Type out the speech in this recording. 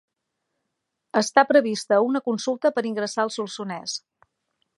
Està prevista una consulta per ingressar al Solsonès.